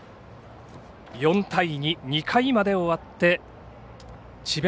２回まで終わって智弁